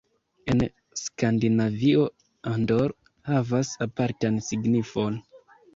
En Skandinavio Andor havas apartan signifon.